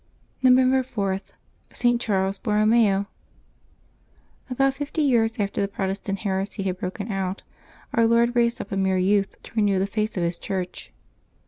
November 4.— ST. CHARLES BORROMEO. a BOUT fifty years after the Protestant heresy had broken out, Our Lord raised up a mere youth to renew the face of His Church.